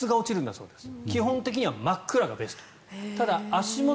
そうですね。